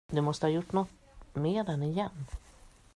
Du måste ha gjort nåt med den igen.